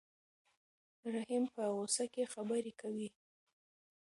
رحیم په غوسه کې خبرې کوي.